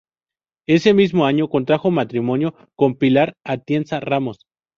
Ese mismo año contrajo matrimonio con Pilar Atienza Ramos.